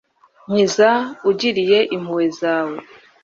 nkiza ugiriye impuhwe zawe